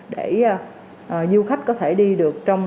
để du khách có thể đi được